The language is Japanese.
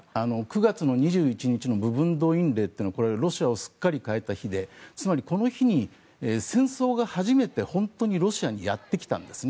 ９月２１日の部分動員令というのはこれはロシアをすっかり変えた日でつまり、この日に戦争が初めて本当にロシアにやってきたんです。